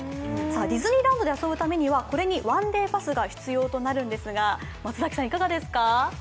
ディズニーランドで遊ぶためにはこれに１デーパスが必要となるんですがいかがですか？